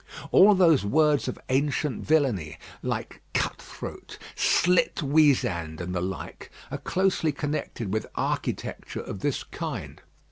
All those words of ancient villany like cut throat, "slit weazand," and the like are closely connected with architecture of this kind.